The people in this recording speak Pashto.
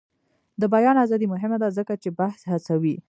د بیان ازادي مهمه ده ځکه چې بحث هڅوي.